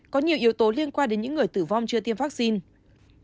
có nhiều yếu tố liên quan đến những người tử vong chưa tiêm vaccine